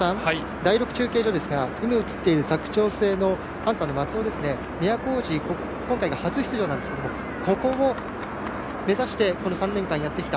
第６中継所ですが今、映っている佐久長聖アンカーの松尾は都大路は今回が初出場ですがここを目指して３年間やってきた。